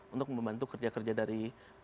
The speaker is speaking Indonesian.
untuk membantu kerja kerja dari